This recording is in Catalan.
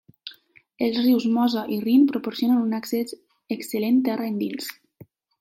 Els rius Mosa i Rin proporcionen un accés excel·lent terra endins.